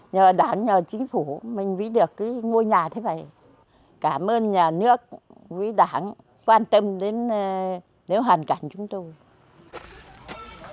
nhờ đảng nhờ chính phủ mình vĩ được ngôi nhà thế này cảm ơn nhà nước quý đảng quan tâm đến nếu hoàn cảnh chúng tôi